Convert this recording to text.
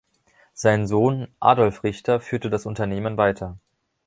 Sein Sohn, Adolf Richter, führte das Unternehmen weiter.